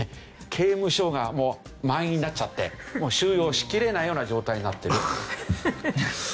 刑務所がもう満員になっちゃってもう収容しきれないような状態になっているというわけです。